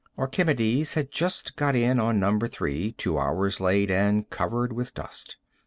Archimedes had just got in on No. 3, two hours late, and covered with dust.